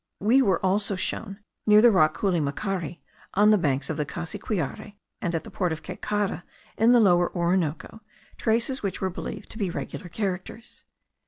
We were also shewn, near the rock Culimacari, on the banks of the Cassiquiare, and at the port of Caycara in the Lower Orinoco, traces which were believed to be regular characters.